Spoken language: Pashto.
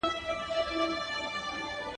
چي ښځه يې «څنګه ارزولې» ده